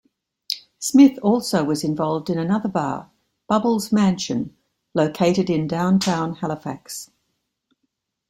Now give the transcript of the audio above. Smith also was involved in another bar, "Bubbles' Mansion", located in Downtown Halifax.